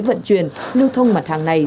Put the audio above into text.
vận chuyển lưu thông mặt hàng này